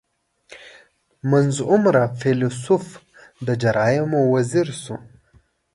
• منځ عمره فېلېسوف د جرایمو وزیر شو.